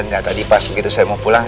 nah tadi pas begitu saya mau pulang